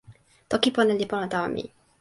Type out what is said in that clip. toki pona li pona tawa mi.